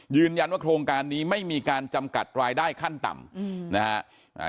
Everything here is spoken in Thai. ยืนยันว่าโครงการนี้ไม่มีการจำกัดรายได้ขั้นต่ำนะฮะ